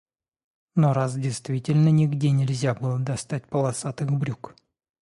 Но раз действительно нигде нельзя было достать полосатых брюк.